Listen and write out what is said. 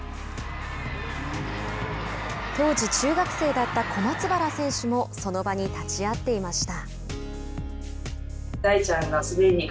当時、中学生だった小松原選手もその場に立ち合っていました。